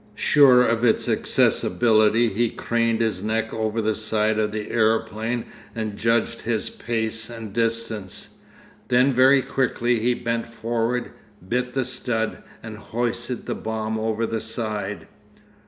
Sure of its accessibility, he craned his neck over the side of the aeroplane and judged his pace and distance. Then very quickly he bent forward, bit the stud, and hoisted the bomb over the side.